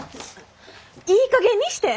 いいかげんにして！